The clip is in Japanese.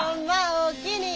おおきに。